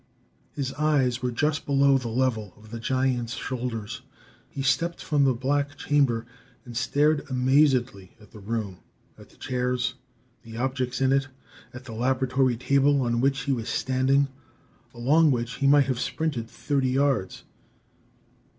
His eyes were just below the level of the giant's shoulders. He stepped from the black chamber and stared amazedly at the room, at the chairs, the objects in it at the laboratory table on which he was standing, along which he might have sprinted thirty yards.